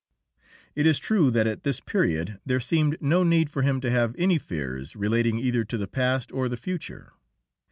It is true that at this period there seemed no need for him to have any fears relating either to the past or the future.